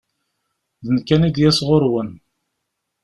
D nekk an id yas ɣur-wen.